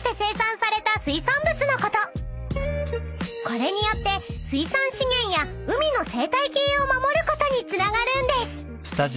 ［これによって水産資源や海の生態系を守ることにつながるんです］